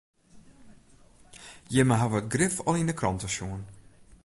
Jimme hawwe it grif al yn de krante sjoen.